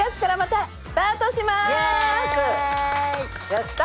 やった！